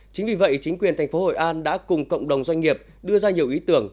chính vì vậy chính quyền thành phố hội an đã cùng cộng đồng doanh nghiệp đưa ra nhiều ý tưởng